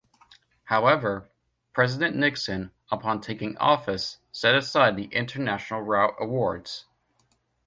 However, President Nixon, upon taking office set aside the international route awards.